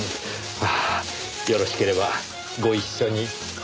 よろしければご一緒に。